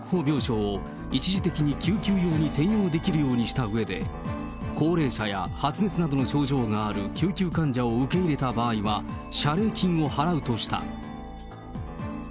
病床を一時的に救急用に転用できるようにしたうえで、高齢者や発熱などの症状がある救急患者を受け入れた場合は、謝礼金を払うとした。